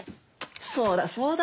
そうだそうだ。